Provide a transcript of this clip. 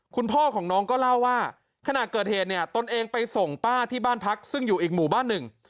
คุณพ่อของน้องก็เล่าว่าขณะเกิดเหตุเนี่ยตนเองไปส่งป้าที่บ้านพักซึ่งอยู่อีกหมู่บ้านหนึ่ง